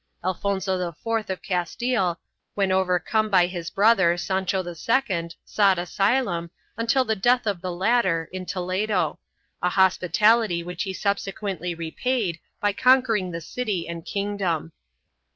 Alfonso VI of Castile, when overcome by his brother, Sancho II, sought asylum, until the death of the latter, in Toledo — a hospitality which he subse quently repaid by conquering the city and kingdom.